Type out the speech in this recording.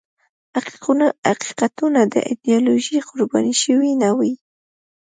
حقیقتونه د ایدیالوژیو قرباني شوي نه وي.